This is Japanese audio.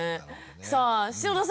さあ篠田さん